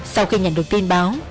sau khi nhận được tin báo